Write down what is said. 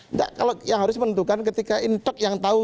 enggak kalau yang harus menentukan ketika intok yang tahu